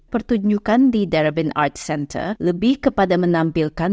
pertunjukan di darabin arts center lebih kepada menampilkan